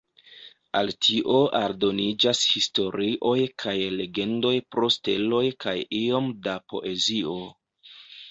Al tio aldoniĝas historioj kaj legendoj pro steloj kaj iom da poezio.